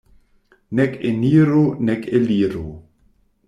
Nek eniro, nek eliro.